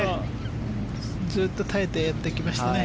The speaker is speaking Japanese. ずっと耐えてやってきましたね。